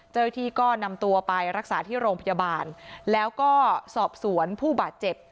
เจ้าหน้าที่ก็นำตัวไปรักษาที่โรงพยาบาลแล้วก็สอบสวนผู้บาดเจ็บ